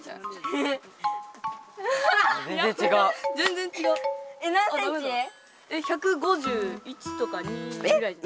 えっ何センチ？１５１とか２ぐらい。